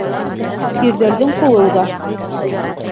Ирҙәрҙең ҡулы уҙа.